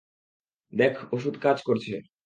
দেখ, ওষুধ কাজ করছে।